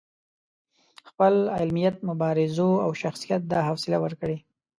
خپل علمیت، مبارزو او شخصیت دا حوصله ورکړې.